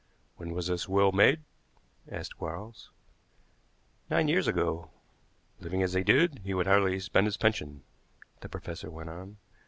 "When was this will made?" asked Quarles. "Nine years ago." "Living as he did, he would hardly spend his pension," the professor went on.